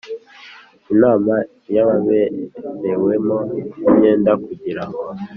Inama y ababerewemo imyenda kugira ngo